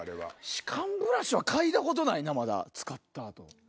歯間ブラシは嗅いだことないな使った後。